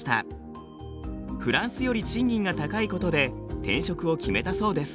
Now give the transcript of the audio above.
フランスより賃金が高いことで転職を決めたそうです。